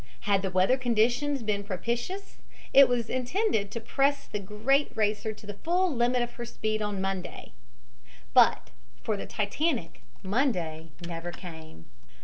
Had the weather conditions been propitious, it was intended to press the great racer to the full limit of her speed on Monday. But for the Titanic Monday never came.